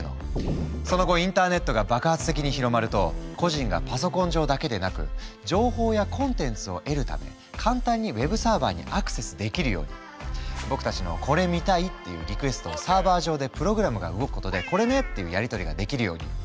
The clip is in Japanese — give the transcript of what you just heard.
その後インターネットが爆発的に広まると個人がパソコン上だけでなく情報やコンテンツを得るため簡単にウェブサーバーにアクセスできるように僕たちの「これ見たい」っていうリクエストをサーバー上でプログラムが動くことで「これね」っていうやり取りができるように。